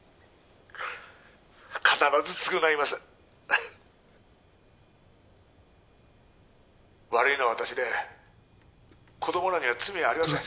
必ず償います悪いのは私で子供らには罪はありません